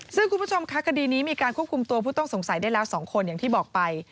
ซึ่งคุณผู้ชมค่ะคดีนี้มีการควบคุมตัวผู้ต้องสงสัยได้แล้ว๒คนอย่างที่บอกไป